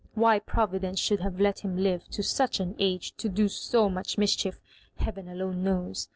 Why Providence should have let him live to such an age to do so much mischief, heaven alone knows.